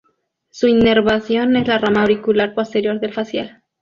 Su inervación es la rama auricular posterior del facial.